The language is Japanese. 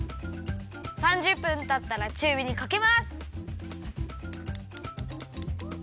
３０分たったらちゅうびにかけます！